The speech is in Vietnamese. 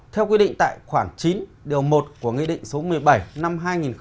theo quy định tại khoảng chín điều một của nghị định số một mươi bảy năm hai nghìn một mươi